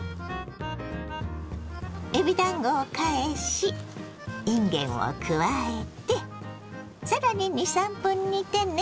えびだんごを返しいんげんを加えて更に２３分煮てね。